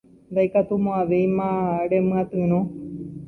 Ndaikatumo'ãvéima remyatyrõ.